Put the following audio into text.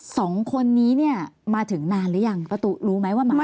สองคนนี้เนี่ยมาถึงนานหรือยังป้าตุ๊รู้ไหมว่าหมา